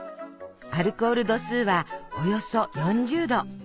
アルコール度数はおよそ４０度！